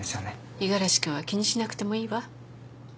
五十嵐君は気にしなくてもいいわ。